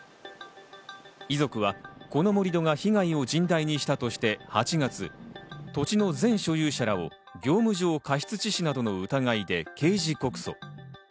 遺族はこの盛り土が被害を甚大にしたとして、８月、土地の前所有者らを業務上過失致死などの疑いで刑事告訴。